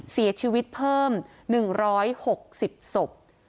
เสียชีวิตเพิ่ม๑๖๐ศพ